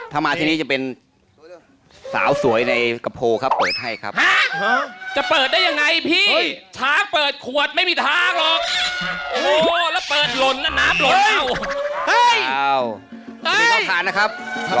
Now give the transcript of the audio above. ถ้ามาที่นี่จะเป็นสาวสวยในกระโพกครับเปิดให้ครับ